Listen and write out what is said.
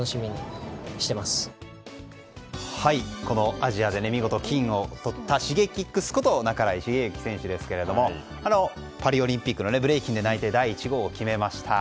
アジアで見事、金をとったＳｈｉｇｅｋｉｘこと半井重幸選手ですけどもパリオリンピックのブレイキンで内定第１号を決めました。